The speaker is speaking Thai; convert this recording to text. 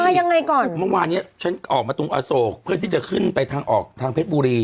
ยังไงก่อนเมื่อวานเนี้ยฉันออกมาตรงอโศกเพื่อที่จะขึ้นไปทางออกทางเพชรบุรี